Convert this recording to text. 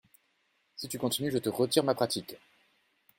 Si tu continues, je te retire ma pratique !